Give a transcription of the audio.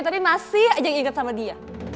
tapi masih aja inget sama dia